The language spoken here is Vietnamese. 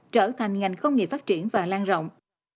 trở thành ngành không nghề phát triển và lan rộng